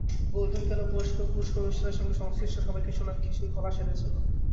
Golden Kela পুরস্কার অনুষ্ঠানের সঙ্গে সংশ্লিষ্ট সবাইকে সোনাক্ষী সেই কলা সেধেছেনও।